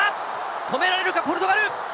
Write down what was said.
止められるかポルトガル。